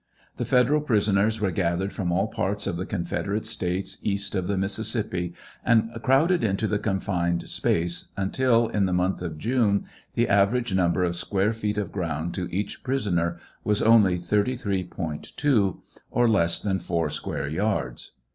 The federal prisoners were gathered from all parts of the Confederate States east of the Mis sissippi, and crowded into the confined space until, in the month of June, the average num ber of square feet of ground to each prisoner was only 33.2, or less than four square yards.